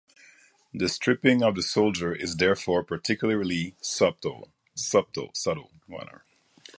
The stripping of the soldier is therefore particularly subtle.